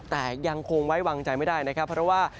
แต่ยังคงไว้วางใจไม่ได้นะครับเพราะว่า